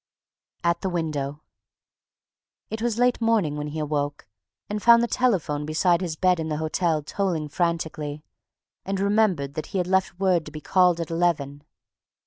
AT THE WINDOW It was late morning when he woke and found the telephone beside his bed in the hotel tolling frantically, and remembered that he had left word to be called at eleven.